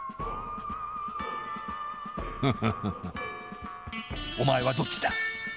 フフフフおまえはどっちだ？